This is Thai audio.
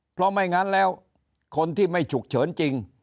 เพราะไม่งั้นแล้วคนที่ไม่ฉุกเฉินจริง